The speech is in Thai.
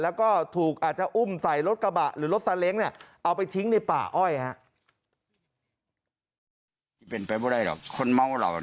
แล้วก็ถูกอาจจะอุ้มใส่รถกระบะหรือรถซาเล้งเนี่ยเอาไปทิ้งในป่าอ้อยฮะ